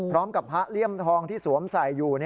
พร้อมกับพระเลี่ยมทองที่สวมใส่อยู่